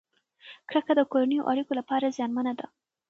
کرکه د کورنیو اړیکو لپاره زیانمنه ده.